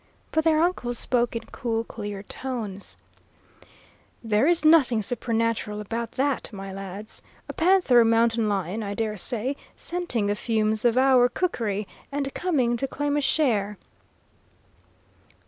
But their uncle spoke in cool, clear tones: "There is nothing supernatural about that, my lads. A panther or mountain lion, I dare say, scenting the fumes of our cookery, and coming to claim a share."